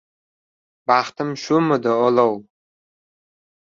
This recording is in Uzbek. Baxtim shumidi olov?